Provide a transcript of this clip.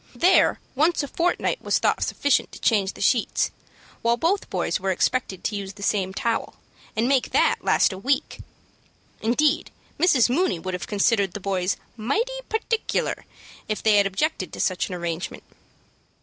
There once a fortnight was thought sufficient to change the sheets, while both boys were expected to use the same towel, and make that last a week. Indeed, Mrs. Mooney would have considered the boys "mighty particular" if they had objected to such an arrangement.